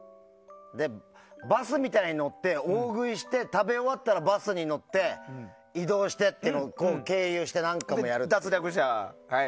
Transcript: バスみたいなのに乗って大食いして、食べ終わったらバスに乗って移動してを経由して何回も。